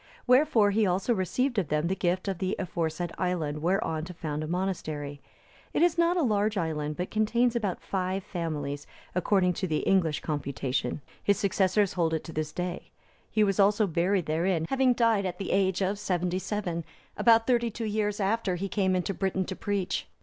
Wherefore he also received of them the gift of the aforesaid island whereon to found a monastery. It is not a large island, but contains about five families, according to the English computation; his successors hold it to this day; he was also buried therein, having died at the age of seventy seven, about thirty two years after he came into Britain to preach.